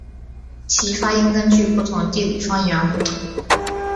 其发音根据不同地理方言而不同。